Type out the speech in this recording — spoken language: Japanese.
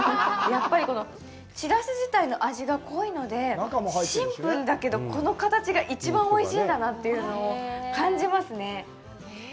やっぱり、このしらす自体の味が濃いので、シンプルだけど、この形が一番おいしいんだなというのを感じますね。